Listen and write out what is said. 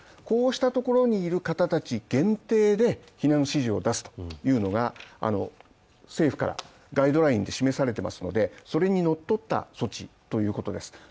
こうしたところにいる方たち限定で避難指示を出すというのが政府からガイドラインで示されてますので、それにのっとった措置ということです。